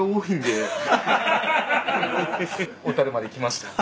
小樽まで来ました。